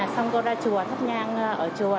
xong cô ra chùa phát nhang ở chùa